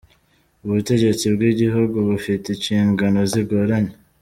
Ubutegetsi bwigihugu bufite incingano zigoranye.